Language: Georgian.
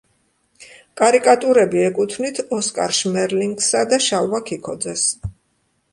კარიკატურები ეკუთვნით ოსკარ შმერლინგსა და შალვა ქიქოძეს.